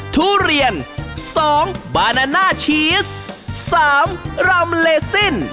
ทุเรียน๒บานาน่าชีส๓รำเลซิน